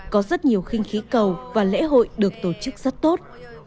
có rất nhiều khinh khí cầu và lễ hội được tổ chức rất tốt